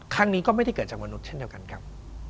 ครั้งนี้ก็ไม่ได้เกิดจากมนุษย์เช่นเดียวกันครับ